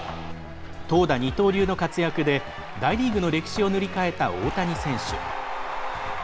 投打二刀流の活躍で大リーグの歴史を塗り替えた大谷選手。